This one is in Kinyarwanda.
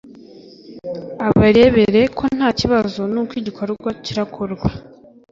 abarebere ko nta kibazo Nuko igikorwa kirakorwa